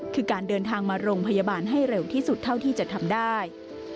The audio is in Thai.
คือการเดินทางมาโรงพยาบาลให้เร็วที่สุดเท่าที่จะทำได้